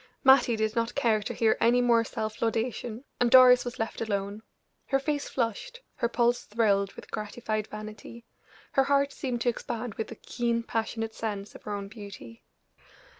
Mattie did not care to hear any more self laudation, and Doris was left alone. Her face flushed, her pulse thrilled with gratified vanity; her heart seemed to expand with the keen, passionate sense of her own beauty.